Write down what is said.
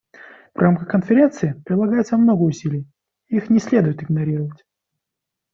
В рамках Конференции прилагается много усилий, и их не следует игнорировать.